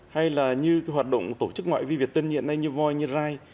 hay là như hoạt động tổ chức ngoại vi việt tân hiện nay như void như rai